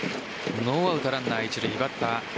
ノーアウトランナー一塁バッター